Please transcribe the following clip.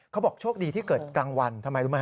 เขาบอกโชคดีที่เกิดกลางวัน